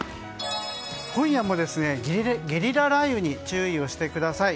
今夜もゲリラ雷雨に注意をしてください。